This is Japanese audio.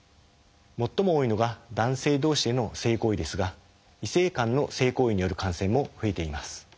最も多いのが男性同士での性行為ですが異性間の性行為による感染も増えています。